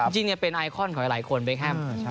จริงเป็นไอคอนของหลายคนเบคแฮม